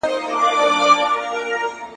بخت په ټنډه دئ، نه په منډه.